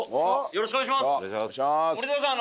よろしくお願いします森澤さん